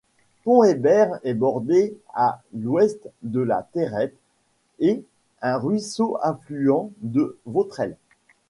Pont-Hébert est bordée à l'ouest par la Terrette et un ruisseau affluent, le Vautrel.